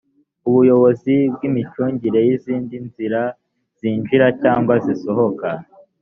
ubuyobozi bw’imicungire y’izindi nzira zinjira cyangwa zisohoka